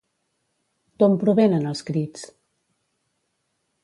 D'on provenen els crits?